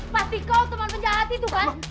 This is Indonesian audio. pasti kau teman penjahat itu kan